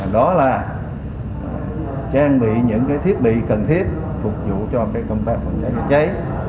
đó là trang bị những thiết bị cần thiết phục vụ cho công tác phòng cháy chữa cháy